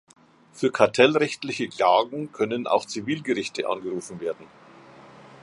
Für kartellrechtliche Klagen können auch Zivilgerichte angerufen werden.